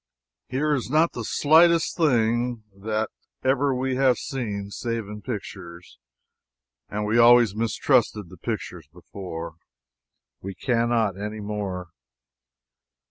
Here is not the slightest thing that ever we have seen save in pictures and we always mistrusted the pictures before. We cannot anymore.